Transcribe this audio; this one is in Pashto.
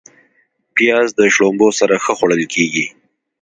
پیاز د شړومبو سره ښه خوړل کېږي